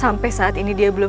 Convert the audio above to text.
masuklah ke dalam